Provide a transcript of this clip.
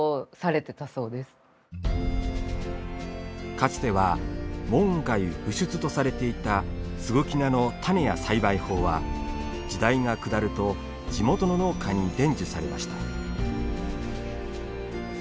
かつては門外不出とされていたすぐき菜の種や栽培法は時代が下ると地元の農家に伝授されました。